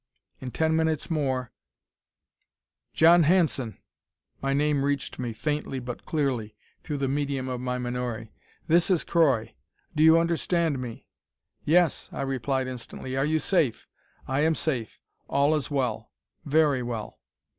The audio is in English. In ten minutes more "John Hanson!" My name reached me, faintly but clearly, through the medium of my menore. "This is Croy. Do you understand me?" "Yes," I replied instantly. "Are you safe?" "I am safe. All is well. Very well.